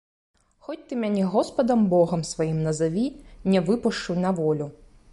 Хоць ты мяне госпадам богам сваім назаві, не выпушчу на волю!